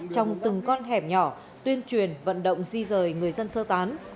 trong từng con hẻm nhỏ tuyên truyền vận động di rời người dân sơ tán